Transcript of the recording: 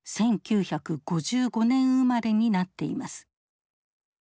１９５５年生まれになっています。